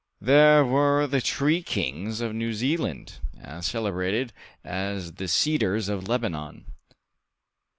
These were the tree kings of New Zealand, as celebrated as the cedars of Lebanon.